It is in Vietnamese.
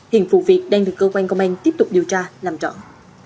hiện phụ việc đang được cơ quan công an tiếp tục điều tra làm trọn